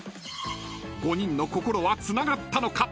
［５人の心はつながったのか？］